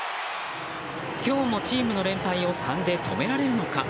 今日もチームの連敗を３で止められるのか。